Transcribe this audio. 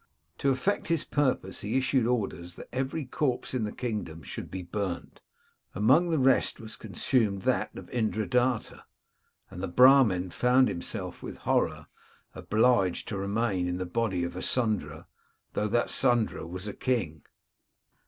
To effect his purpose, he issued orders that every corpse in the kingdom should be burnt. Amongst the rest was consumed that of Indradatta, and the Brahmin found himself, with horror, obliged to remain in the body of a Sudra, though that Sudra was a king.